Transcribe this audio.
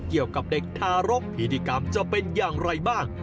เกี่ยวกับเด็กทารกพิธีกรรมจะเป็นอย่างไรบ้าง